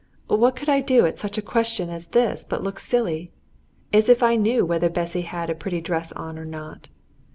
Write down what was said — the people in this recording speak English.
What could I do at such a question as this but look silly? As if I knew whether Bessy had had a pretty dress on or not!